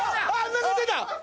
何か出た。